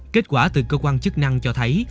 kết quả từ cơ quan chức năng cho thấy